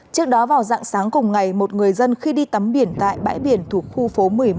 trước đó vào dạng sáng cùng ngày một người dân khi đi tắm biển tại bãi biển thuộc khu phố một mươi một